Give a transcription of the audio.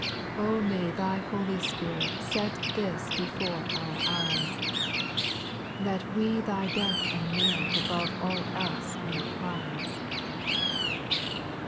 106 SPIRITUAL SONGS. O may Thy Holy Si^irit Set this before our eyes, That we Thy death and merit Above all else may prize.